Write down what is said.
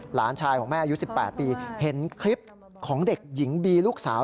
หลานชายของแม่อายุ๑๘ปีเห็นคลิปของเด็กหญิงบีลูกสาว